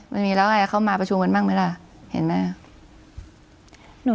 มันมีแล้วไงเข้ามาประชุมกันบ้างไหมล่ะเห็นไหม